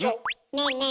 ねえねえ